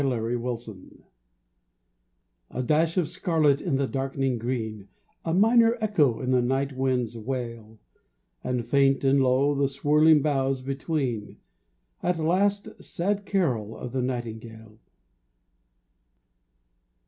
SEPTEMBER A dash of scarlet in the dark'ning green, A minor echo in the night wind's wail, And faint and low, the swirling boughs between, The last, sad carol of the nightingale.